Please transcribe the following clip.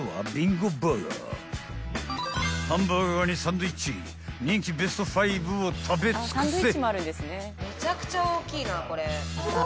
［ハンバーガーにサンドイッチ人気ベスト５を食べ尽くせ］